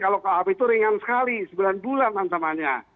kalau kap itu ringan sekali sembilan bulan ansamanya